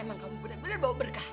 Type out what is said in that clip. emang kamu benar benar bawa berkah